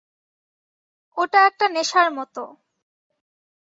ওটা একটা নেশার মতো।